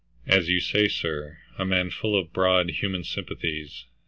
"As you say, sir, a man full of broad human sympathies.